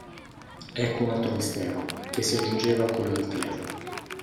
Ecco un altro mistero, che si aggiungeva a quello del telefono.